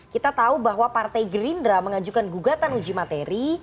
kita tahu bahwa partai gerindra mengajukan gugatan uji materi